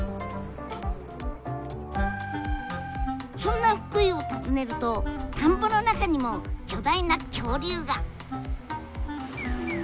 そんな福井を訪ねると田んぼの中にも巨大な恐竜が！